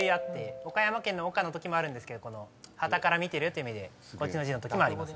岡山県の「岡」のときもあるんですけどこの傍から見てるという意味でこっちの字のときもありますね。